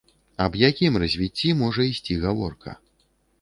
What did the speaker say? Аб якім развіцці можа ісці гаворка?